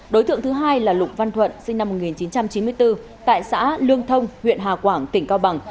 đối tượng thứ hai là lục văn thuận sinh năm một nghìn chín trăm chín mươi bốn tại xã lương thông huyện hà quảng tỉnh cao bằng